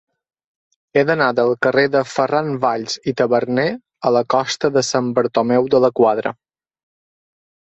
He d'anar del carrer de Ferran Valls i Taberner a la costa de Sant Bartomeu de la Quadra.